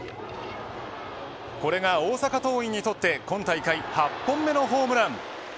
これが大阪桐蔭にとって今大会８本目のホームラン。